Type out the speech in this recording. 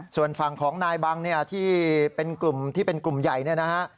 ส่วนฝั่งของนายบังเนี่ยที่เป็นกลุ่มที่เป็นกลุ่มใหญ่เนี่ยนะฮะ